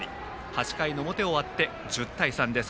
８回の表を終わって１０対３です。